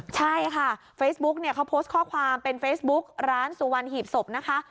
ใช่ค่ะเฟซบุ๊กเนี่ยเขาโพสต์ข้อความเป็นเฟซบุ๊กร้านสุวรรณหีบศพนะคะ